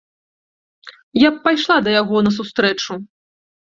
Я б пайшла да яго на сустрэчу.